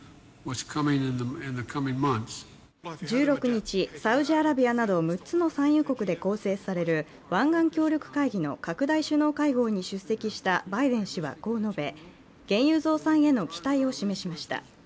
１６日、サウジアラビアなど６つの産油国で構成される湾岸協力会議の拡大首脳会合に出席したバイデン氏はこう述べ、原油増産への期待を示しました。